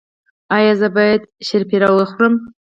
ایا زه باید شیرپیره وخورم؟